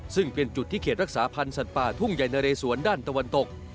ซึ่งเป็นจุดที่เขตรักษาพันธ์สัตว์ป่าทุ่งใหญ่นะเรสวนด้านตะวันตก